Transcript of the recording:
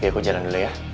ya aku jalan dulu ya